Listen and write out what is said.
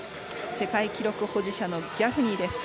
世界記録保持者のギャフニーです。